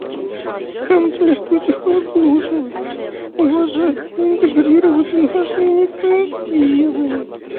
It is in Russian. Нам следует их выслушивать, уважать и интегрировать в наши инициативы.